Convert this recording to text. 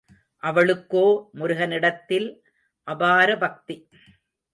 அவளுக்கோ முருகனிடத்தில் அபார பக்தி.